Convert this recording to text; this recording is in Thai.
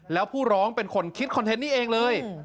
แล้วผู้ร้องเป็นคนคิดคอนเทนต์นี้เองเลย